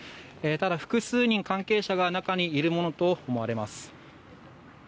ただ複数人、関係者が中にいるものと思われます。